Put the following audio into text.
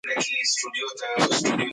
د اوبو کمښت د بډوګو لپاره خطرناک دی.